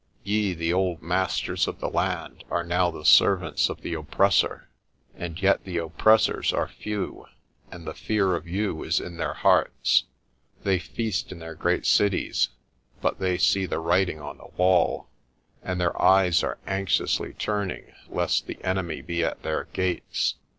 Ye, the old masters of the land, are now the servants of the oppressor. And yet the oppressors are few, and the fear of you is in their hearts. They feast in their great cities, but they see the writing on the wall, and their eyes are anxiously turning lest the enemy be at their gates."